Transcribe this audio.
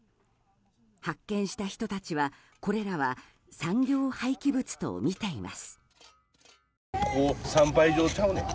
発見した人たちは、これらは産業廃棄物とみています。